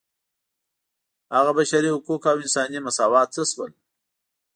هغه بشري حقوق او انساني مساوات څه شول.